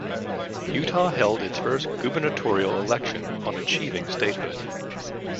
Utah held its first gubernatorial election on achieving statehood.